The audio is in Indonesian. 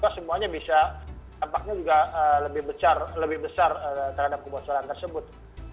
semuanya bisa tampaknya juga lebih besar terhadap kebocoran tersebut